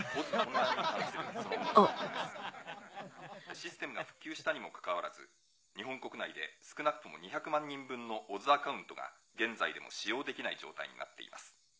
システムが復旧したにもかかわらず日本国内で少なくとも２００万人分のＯＺアカウントが現在でも使用できない状態になっています。